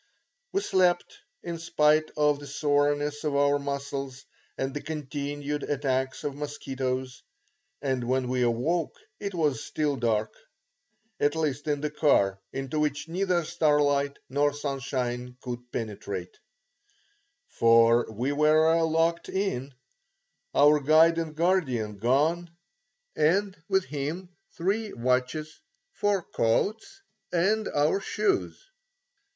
We slept, in spite of the soreness of our muscles and the continued attacks of mosquitoes, and when we awoke it was still dark; at least in the car, into which neither starlight nor sunshine could penetrate, for we were locked in, our guide and guardian gone, and with him three watches, four coats and our shoes.